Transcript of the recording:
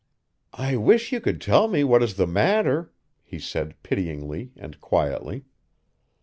"I wish you could tell me what is the matter," he said pityingly and quietly.